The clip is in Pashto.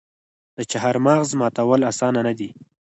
د چهارمغز ماتول اسانه نه دي.